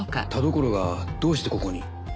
田所がどうしてここに？